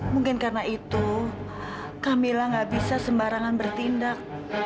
mungkin karena itu camillah nggak bisa sembarangan bertindak